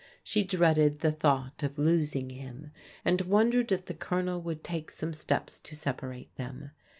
She dreaded the thought of losing him, and wondered if the Colonel wotild take some steps to separate them.